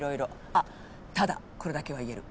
あっただこれだけは言える。